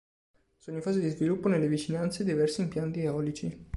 Sono in fase di sviluppo nelle vicinanze diversi impianti eolici.